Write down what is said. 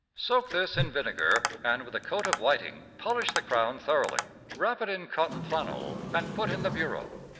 Soak this in vinegar, and, with a coat of whiting, polish the crown thoroughly, wrap it in cotton flannel and put in the bureau.